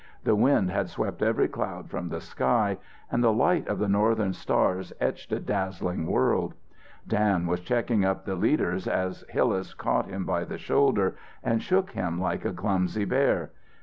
The wind had swept every cloud from the sky and the light of the northern stars etched a dazzling world. Dan was checking up the leaders as Hillas caught him by the shoulder and shook him like a clumsy bear.